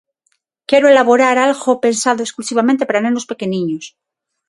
Quero elaborar algo pensado exclusivamente para nenos pequeniños.